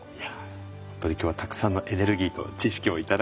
本当に今日はたくさんのエネルギーと知識を頂きました。